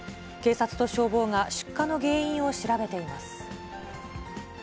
警察と消防が出火の原因を調べています。